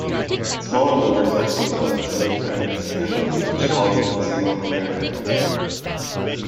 Smaller numbers also fled to New France and the English colonies in North America.